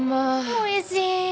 おいしい！